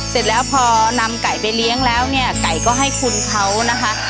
เสร็จแล้วพอนำไก่ไปเลี้ยงแล้วเนี่ยไก่ก็ให้คุณเขานะคะ